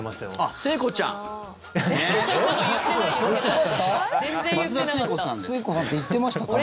聖子さんって言ってましたかね？